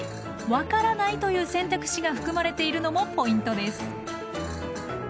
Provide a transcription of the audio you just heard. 「わからない」という選択肢がふくまれているのもポイントです。